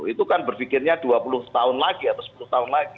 itu kan berpikirnya dua puluh tahun lagi atau sepuluh tahun lagi